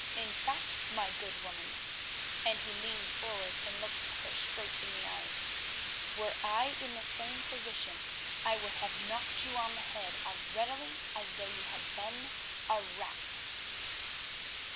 In fact, my good woman," and he leaned forward and looked her straight in the eyes, "were I in the same position I would have knocked you on the head as readily as though you had been a rat."